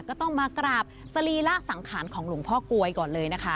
ก็ต้องมากราบสรีระสังขารของหลวงพ่อกลวยก่อนเลยนะคะ